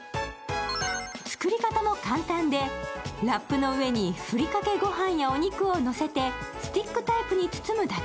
作り方も簡単で、ラップの上にふりかけごはんやお肉をのせて、スティックタイプに包むだけ。